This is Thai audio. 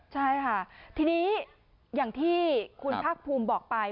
ใช่ค่ะทีนี้อย่างที่คุณภาคภูมิบอกไป